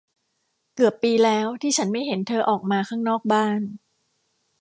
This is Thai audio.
เกือบปีแล้วที่ฉันไม่เห็นเธอออกมาข้างนอกบ้าน !